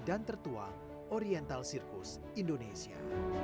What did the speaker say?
dan tertua oriental sirkus indonesia